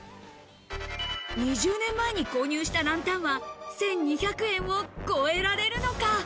２０年前に購入したランタンは１２００円を超えられるのか。